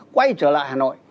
quay trở lại hà nội